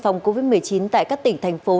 phòng covid một mươi chín tại các tỉnh thành phố